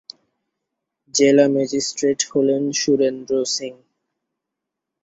জেলা ম্যাজিস্ট্রেট হলেন সুরেন্দ্র সিং।